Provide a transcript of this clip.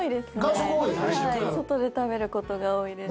外で食べることが多いです。